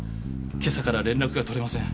今朝から連絡が取れません。